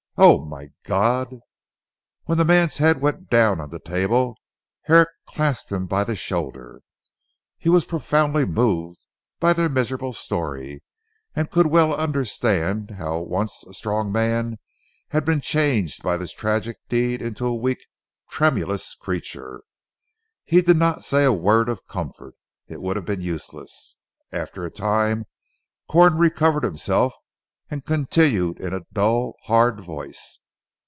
Oh, my God!" When the man's head went down on the table, Herrick clasped him by the shoulder. He was profoundly moved by the miserable story, and could well understand how a once strong man had been changed by this tragic deed into a weak, tremulous, creature. He did not say a word of comfort. It would have been useless. After a time Corn recovered himself and continued in a dull hard voice.